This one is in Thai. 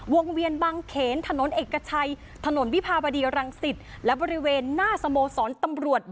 เวียนบางเขนถนนเอกชัยถนนวิภาบดีรังสิตและบริเวณหน้าสโมสรตำรวจ